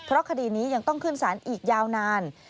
เพราะคดีนี้ยังต้องขึ้นสารอีกยาวนาน